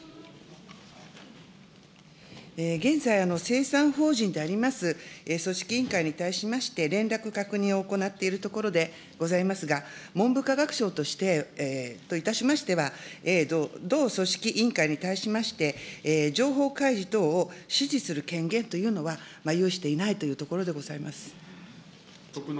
現在精査法人であります組織委員会に対しまして、連絡、確認を行っているところでございますが、文部科学省といたしましては、同組織委員会に対しまして、情報開示等を指示する権限というのは、有していないというところでございます。